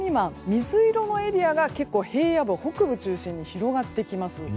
水色のエリアが結構、平野部の北部を中心に広がってきます。